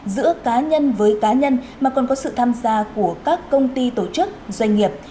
giữa cá nhân với cá nhân mà còn có sự tham gia của các công ty tổ chức doanh nghiệp